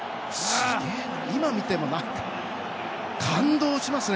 今見ても感動しますね。